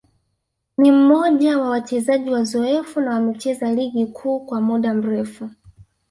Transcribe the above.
ni mmoja wa wachezaji wazoefu na wamecheza Ligi Kuu kwa muda mrefu